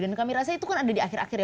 dan kami rasa itu kan ada di akhir akhir ya